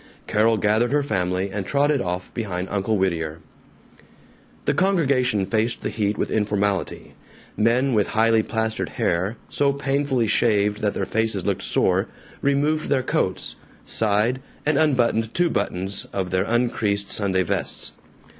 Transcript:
Carol gathered her family and trotted off behind Uncle Whittier. The congregation faced the heat with informality. Men with highly plastered hair, so painfully shaved that their faces looked sore, removed their coats, sighed, and unbuttoned two buttons of their uncreased Sunday vests.